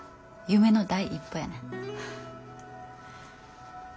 夢の第一歩やな。